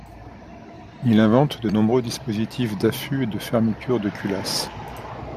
Il invente de nombreux dispositifs d'affûts et de fermetures de culasses.